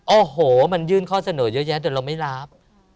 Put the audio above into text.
โอ้โหมันยื่นข้อเสนอเยอะแยะแต่เราไม่รับ